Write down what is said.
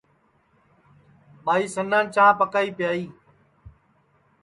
ٻائی سنان چاں پکائی پیائی